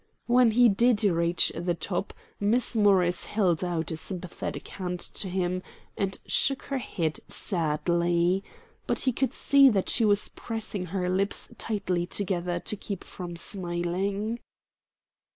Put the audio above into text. When he did reach the top Miss Morris held out a sympathetic hand to him and shook her head sadly, but he could see that she was pressing her lips tightly together to keep from smiling.